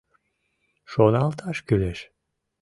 — Шоналташ кӱлеш...